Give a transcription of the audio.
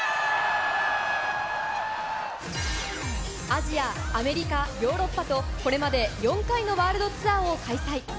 アジア、アメリカ、ヨーロッパと、これまで４回のワールドツアーを開催。